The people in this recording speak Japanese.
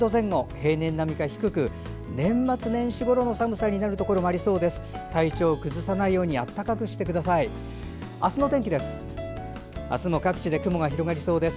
平年並みか低く年末年始ごろの寒さになるところもありそうです。